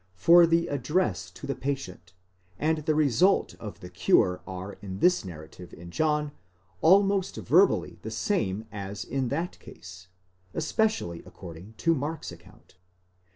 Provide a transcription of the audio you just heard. for the address to the patient, and the result of the cure are in this narrative in John almost verbally the same as in that case, especially according to Mark's account.